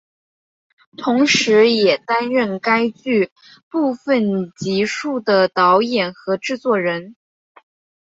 同时也担任该剧部分集数的导演和制作人。